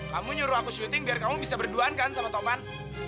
kamu nyuruh aku syuting biar kamu bisa berduaan kan sama toman